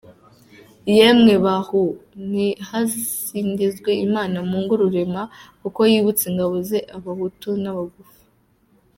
Yemwe bahu, nihasingizwe Imana Mungu Rurema, kuko yibutse ingabo ze, Abahutu n’Abagufi.